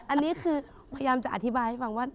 อันนี้คือพยายามจะอธิบายให้ฟังว่า